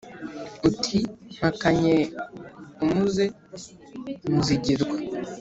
Uti: mpakanye umuze Muzigirwa